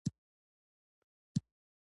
د پیرودونکو خدمتونه د مالي جرمونو مخه نیسي.